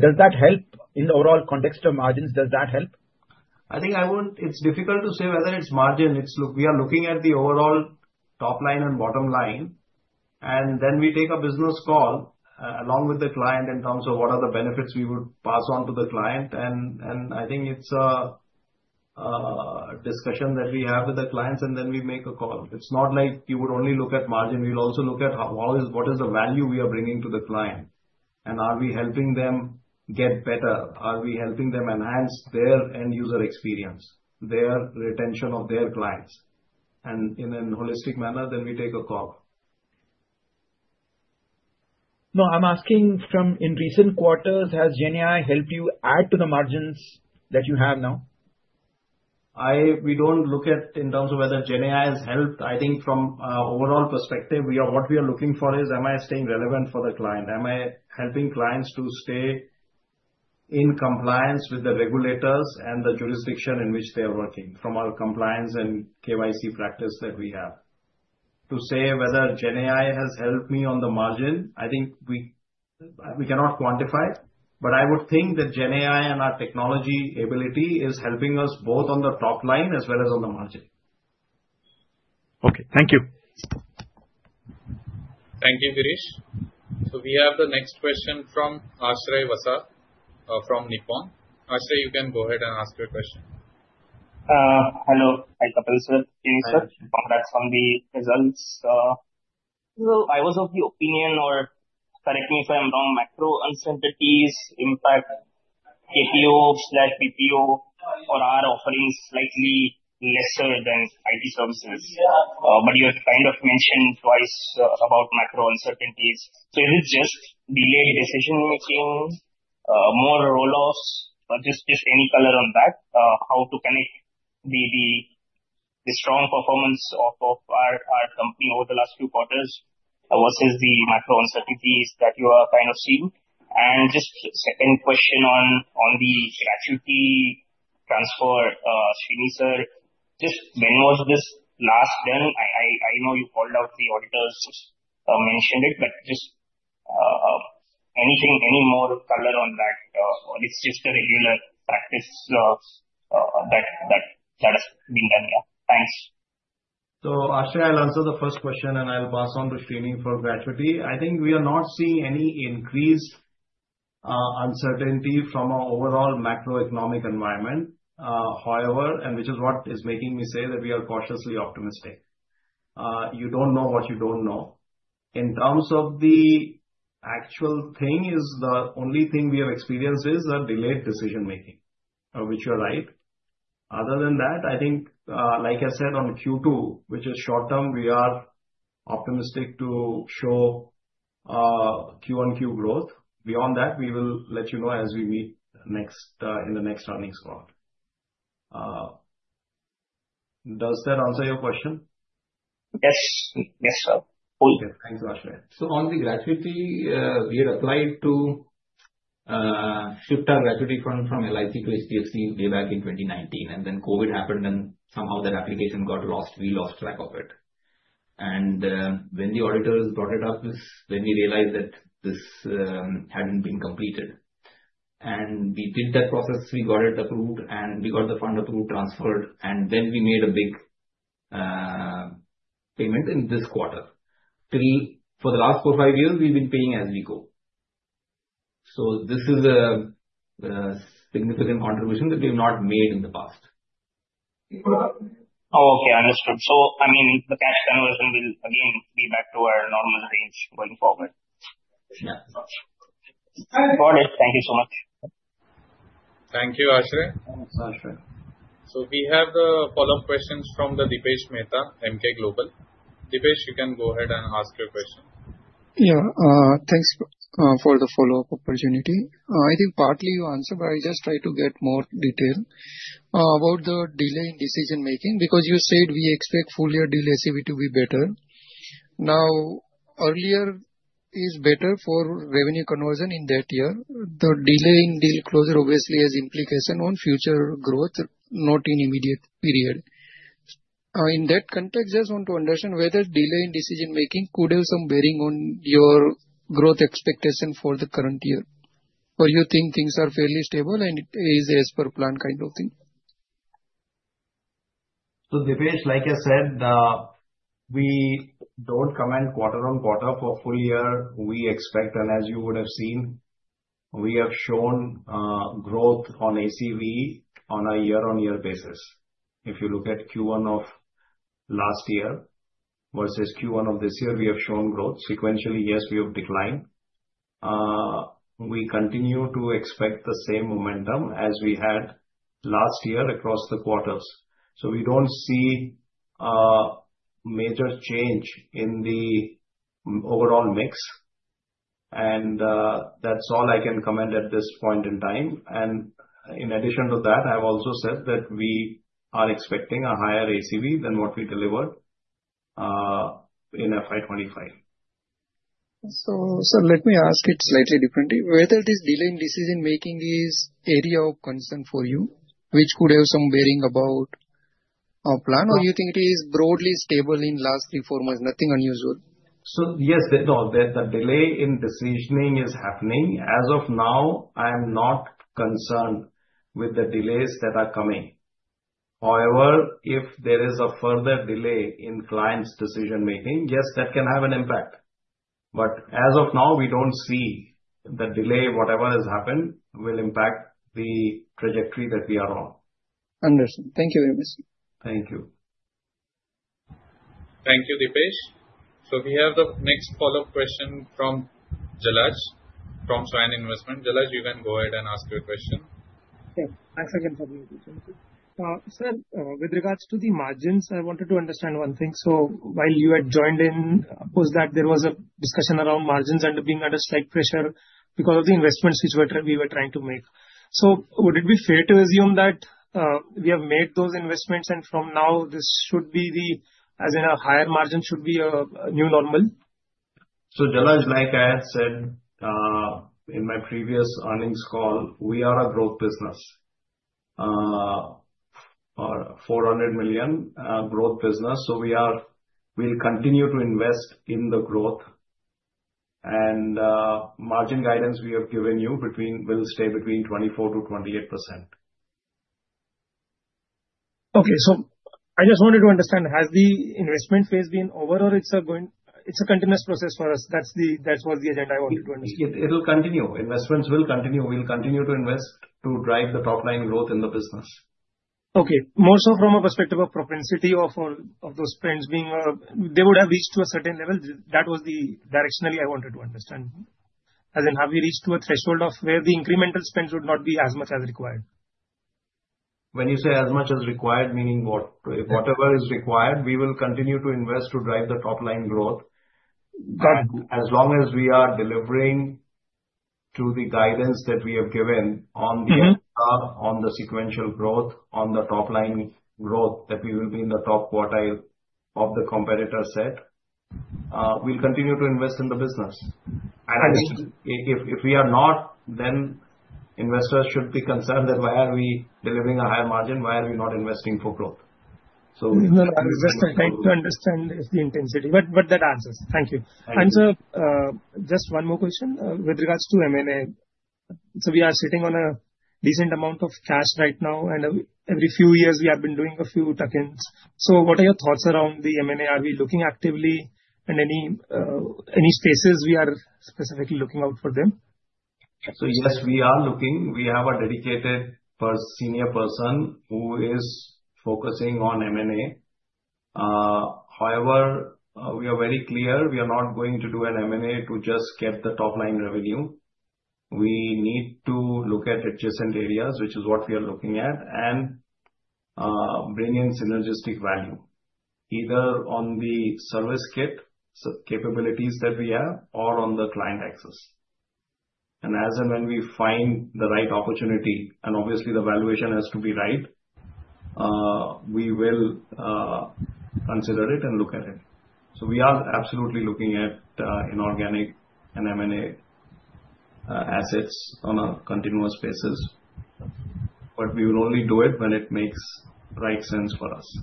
Does that help in the overall? Context of margins, does that help? I think I won't. It's difficult to say whether it's margin. Look, we are looking at the overall top line and bottom line, and then we take a business call along with the client in terms of what are the benefits we would pass on to the client. I think it's a discussion that we have with the clients, and then we make a call. It's not like you would only look at margin. We'll also look at what is the value we are bringing to the client and are we helping them get better? Are we helping them enhance their end user experience, their retention of their clients, and in a holistic manner? We take a call. No, I'm asking from in recent quarters. Has GenAI helped you add to the margins that you have now? We don't look at it in terms of whether GenAI has helped. I think from overall perspective what we are looking for is that am I staying relevant for the client? Am I helping clients to stay in compliance with the regulators and the jurisdiction in which they are working from our compliance and KYC practice that we have. To say whether GenAI has helped me on the margin, I think we cannot quantify, but I would think that GenAI and our technology ability is helping us both on the top line as well as on the margin. Okay, thank you. Thank you, Girish. We have the next question from Ashray Vasa from Nippon. Ashray, you can go ahead and ask your question. Hello. Hi Kapil Sir. I was of the opinion, or correct me if I am wrong, macro uncertainties impact KPO/BPO or are offering slightly lesser than IT services. You have kind of mentioned twice about macro uncertainties. Is it just delayed decision making, more roll offs, or just. Just any color on that? How to connect the strong performance of our company over the last few quarters. Versus the macro uncertainties that you are kind of seeing. Second question on the gratuity transfer. Srini, just when was this last done? I know you called out the auditors mentioned it, but just anything, any more color on that? It's just a regular practice that has been done. Thanks. Asha, I'll answer the first question and I'll pass on to Srinivasan for gratuity. I think we are not seeing any. Increase. Uncertainty from our overall macroeconomic environment, however, and which is what is making me say that we are cautiously optimistic. You don't know what you don't know in terms of the actual thing. The only thing we have experienced is delayed decision making, which you're right. Other than that, I think like I said on Q2, which is short term, we are optimistic to show Q1Q growth. Beyond that, we will let you know as we meet next in the next earnings call. Does that answer your question? Yes. Yes sir. Thanks. On the gratuity fund, we had applied to shift our gratuity fund from LIC to HDFC way back in 2019, and then Covid happened and somehow that application got lost, we lost track of it. When the auditors brought it up is when we realized that this hadn't been completed. We did that process, we got it approved, we got the fund approved, transferred, and then we made a. Big. Payment in this quarter, till for the last four or five years, we've been paying as we go. This is a significant contribution that we have not made in the past. Oh, okay. Understood. The cash conversion will again be back to our normal range going forward. Thank you so much. Thank you, Asha. We have the follow-up questions from Dipesh Mehta, MK Global. Dipesh, you can go ahead and ask your question. Yeah, thanks for the follow-up opportunity. I think partly you answered, but I just try to get more detail about the delay in decision making because you said we expect full year deal ACV to be better now. Earlier is better for revenue conversion in that year. The delay in deal closure obviously has implication on future growth, not in immediate period. In that context, just want to understand whether delay in decision making could have some bearing on your growth expectation for the current year or you think things are fairly stable and it is as per plan kind of thing. Dipesh, like I said, we don't comment quarter on quarter. For the full year, we expect, and as you would have seen, we have shown growth on ACV on a year on year basis. If you look at Q1 of last year versus Q1 of this year, we have shown growth. Sequentially, yes, we have declined. We continue to expect the same momentum as we had last year across the quarters. We don't see major change in the overall mix. That's all I can comment at this point in time. In addition to that, I have also said that we are expecting a higher ACV than what we delivered in FY25. Let me ask it slightly differently. Whether this delay in decision making is an area of concern for you which could have some bearing about our plan, or you think it is broadly stable in the last three, four months, nothing unusual. Yes, the delay in decisioning is happening. As of now, I am not concerned with the delays that are coming. However, if there is a further delay in clients' decision making, yes, that can have an impact. As of now, we don't see the delay. Whatever has happened will impact the trajectory that we are on. Thank you very much. Thank you. Thank you, Dipesh. We have the next follow-up question from Swan Investments. Jalaj, you can go ahead and ask your question. Sir, with regards to the margins, I wanted to understand one thing. While you had joined in, post that there was a discussion around margins and being under strike pressure because of the investments which we were trying to make. Would it be fair to assume that we have made those investments and from now this should be, as in, a higher margin should be a new normal? Jalaj, like I had said in my previous earnings call, we are a growth business, a $400 million growth business. We will continue to invest in the growth, and the margin guidance we have given you will stay between 24% to 28%. Okay, so I just wanted to understand, has the investment phase been over or it's a going, it's a continuous process for us? That's what the agenda I wanted to understand. It'll continue, investments will continue. We'll continue to invest to drive the top line growth in the business. Okay. More so from a perspective of propensity of those spends being they would have reached to a certain level. That was directionally I wanted to understand, as in have we reached to a threshold of where the incremental spends would not be as much as required. When you say as much as required, meaning what? Whatever is required. We will continue to invest to drive the top line growth. As long as we are delivering to the guidance that we have given on the sequential growth on the top line growth, that we will be in the top quartile of the competitor set, we will continue to invest in the business. If we are not, then investors should be concerned that why are we delivering a higher margin? Why are we not investing for growth? I was just trying to understand the intensity, but that answers. Thank you. Sir, just one more question with regards to M&A. We are sitting on a decent amount of cash right now, and every few years we have been doing a few tuck-ins. What are your thoughts around the M&A? Are we looking actively, and any spaces we are specifically looking out for them? Yes, we are looking. We have a dedicated senior person who is focusing on M&A. However, we are very clear we are not going to do an M&A to just get the top line revenue. We need to look at adjacent areas, which is what we are looking at, and bring in synergistic value either on the service kit capabilities that we have or on the client access. As and when we find the right opportunity, and obviously the valuation has to be right, we will consider it and look at it. We are absolutely looking at inorganic and M&A assets on a continuous basis. We will only do it when it makes right sense for us.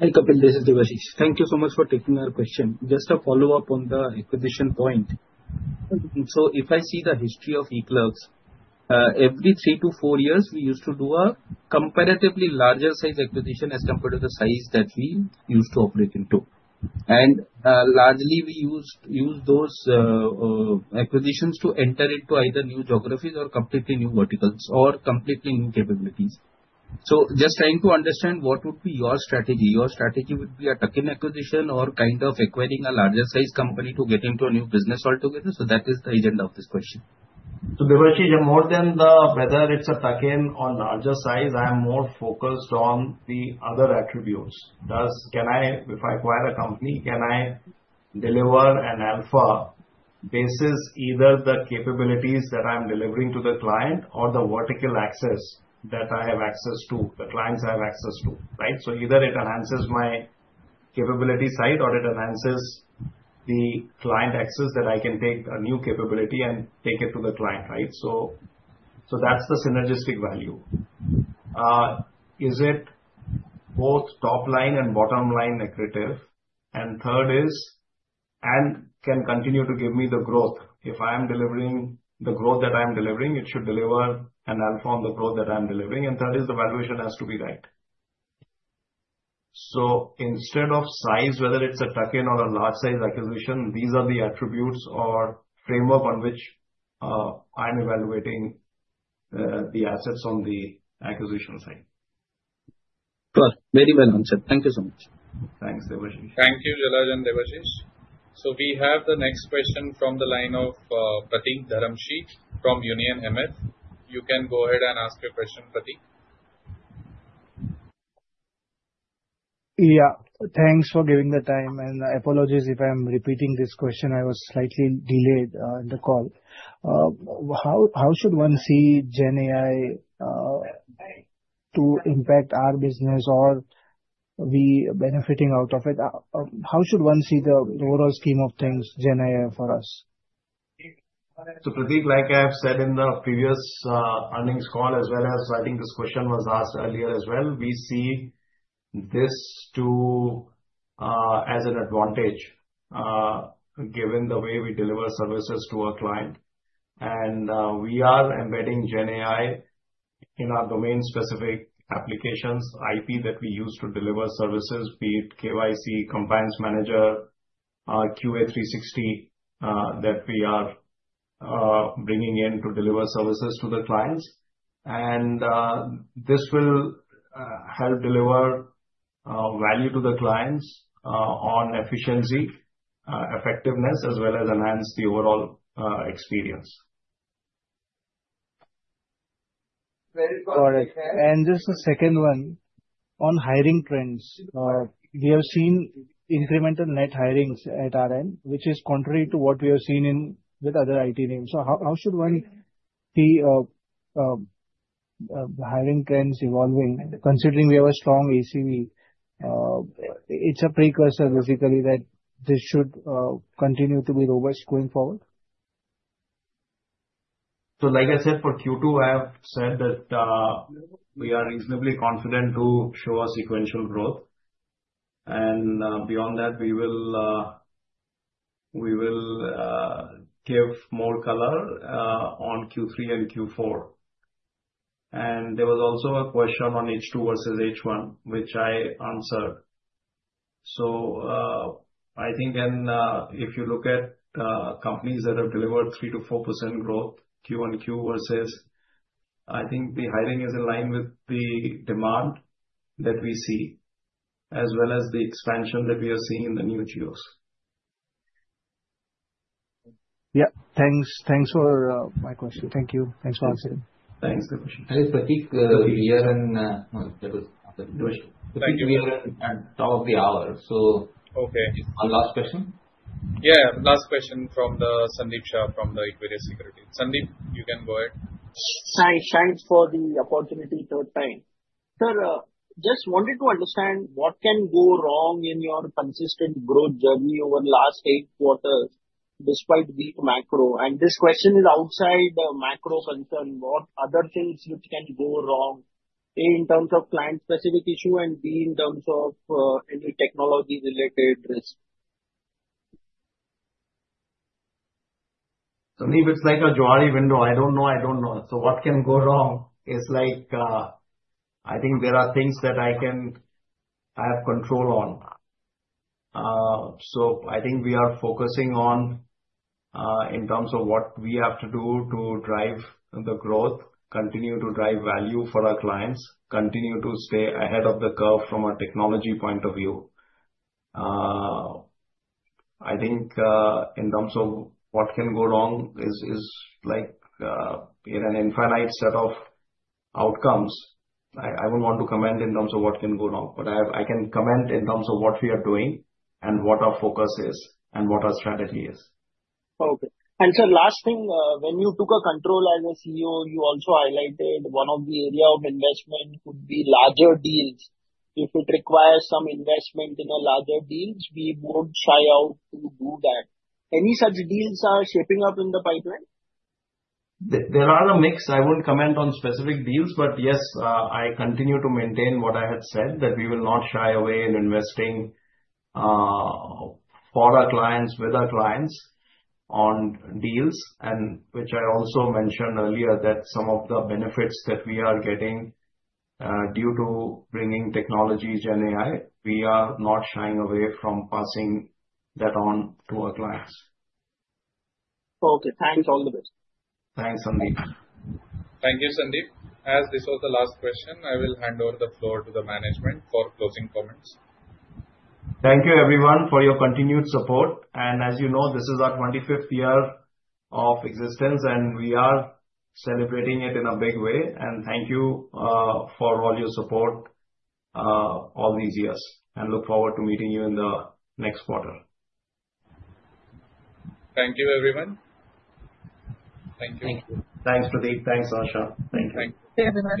Hi Kapil, this is Divasish. Thank you so much for taking our question. Just a follow-up on the acquisition point. If I see the history of eClerx, every three to four years we used to do a comparatively larger size acquisition as compared to the size that we used to operate into. Largely we used those acquisitions to enter into either new geographies or completely. New verticals or completely new capabilities. am just trying to understand what would be your strategy. Your strategy would be a tuck-in acquisition or kind of acquiring a larger size company to get into a new business. Altogether. That is the agenda of this question. More than whether it's a tuck-in or larger size, I am more focused on the other attributes. If I acquire a company, can I deliver an alpha basis, either the capabilities that I'm delivering to the client or the vertical access that I have access to, the clients I have access to? Either it enhances my capability side or it enhances the client access, that I can take a new capability and take it to the client. That's the synergistic value. Is it both top line and bottom line accretive, and can it continue to give me the growth? If I am delivering the growth that I am delivering, it should deliver an alpha on the growth that I'm delivering. The valuation has to be right. Instead of size, whether it's a tuck-in or a large size acquisition, these are the attributes or framework on which I'm evaluating the assets on the acquisition side. Very well answered. Thank you so much. Thanks Devasheesh, thank you Jalaj and Devashish. We have the next question from the line of Pratik Dharamshi from Union Mutual Fund. You can go ahead and ask your question, Pratik. Yeah, thanks for giving the time. Apologies if I'm repeating this question. I was slightly delayed in the call. How should one see GenAI? To impact. Are we benefiting out of it? How should one see the overall scheme of things GenAI for us? Like I have said in the previous earnings call as well as I think this question was asked earlier as well, we see this too as an advantage given the way we deliver services to our client and we are embedding GenAI in our domain specific applications IP that we use to deliver services, be it KYC compliance manager, QA360 that we are bringing in to deliver services to the clients, and this will help deliver value to the clients on efficiency, effectiveness, as well as enhance the overall experience. Just the second one on hiring trends, we have seen incremental net hirings. At RN, which is contrary to what. We have seen it with other IT names. How should one see. The hiring. Trends evolving considering we have a strong. ACV, it's a precursor basically that this. Should continue to be robust going forward. Like I said, for Q2 I have said that we are reasonably confident to show a sequential growth, and beyond that we will give more color on Q3 and Q4. There was also a question on H2 versus H1, which I answered. I think if you look at companies that have delivered 3 to 4% growth Q1Q versus, I think the hiring is in line with the demand that we see as well as the expansion that we are seeing in the new geos. Yeah, thanks. Thanks for my question. Thank you. Thanks for answering. Thanks, Pratik. We are at the top of the hour. Okay, one last question. Last question from Sandeep Shah from Equator Securities. Sandeep, you can go ahead. Hi, thanks for the opportunity. Third time sir. Just wanted to understand what can go wrong in your consistent growth journey over the last eight quarters despite weak macro, and this question is outside macro concern. What other things which can go wrong? A, in terms of client specific issue, and B, in terms of any technology related risk. It's like a jari window. I don't know. I think there are things that I have control on. I think we are focusing on what we have to do to drive the growth, continue to drive value for our clients, continue to stay ahead of the curve from a technology point of view. In terms of what can go wrong, it is like an infinite set of outcomes. I would want to comment in terms of what can go wrong, but I can comment in terms of what we are doing and what our focus is and what our strategy is. Okay. Sir, last thing, when you took control as CEO you also highlighted one of the area of investment. Would be larger deals. If it requires some investment in larger deals, we would try to do that. Any such deals are shaping up in the pipeline. There are a mix. I won't comment on specific deals, but yes, I continue to maintain what I had said that we will not shy away in investing for our clients, with our clients on deals, and which I also mentioned earlier that some of the benefits that we are getting due to bringing technologies and AI, we are not shying away from passing that on to our clients. Okay, thanks. All the best. Thanks Sandeep. Thank you, Sandeep. As this was the last question, I will hand over the floor to the management for closing comments. Thank you everyone for your continued support. As you know, this is our 25th year of existence and we are celebrating it in a big way. Thank you for all your support all these years. We look forward to meeting you in the next quarter. Thank you, everyone. Thank you. Thanks, Pradeep. Thanks, Asha. Thank you.